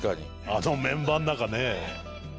あのメンバーの中ね。